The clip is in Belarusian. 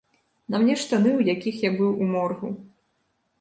На мне штаны, у якіх я быў у моргу.